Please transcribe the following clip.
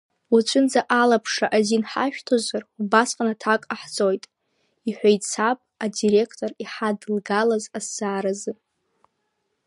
Уаҵәынӡа алаԥшра азин ҳашәҭозар, убасҟан аҭак ҟаҳҵоит, — иҳәеит саб адиректор иҳадылгалаз азҵааразы.